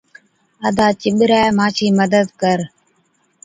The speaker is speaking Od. ’ادا چِٻرَي، مانڇِي مدد ڪر‘۔